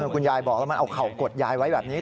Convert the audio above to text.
คุณยายบอกแล้วมันเอาเข่ากดยายไว้แบบนี้